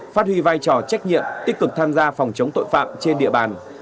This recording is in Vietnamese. phát huy vai trò trách nhiệm tích cực tham gia phòng chống tội phạm trên địa bàn